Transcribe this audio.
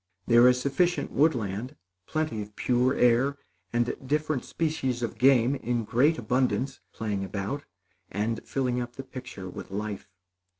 There is sufficient woodland, plenty of pure air, and different species of game, in great abundance, playing about, and filling up the picture with life.